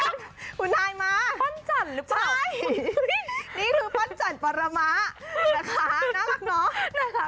คุณไทมาใช่นี่คือพ่อนจันตร์ปรมามะนะคะน่ารักเนอะ